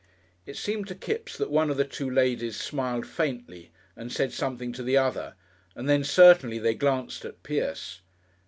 It seemed to Kipps that one of the two ladies smiled faintly and said something to the other, and then certainly they glanced at Pierce.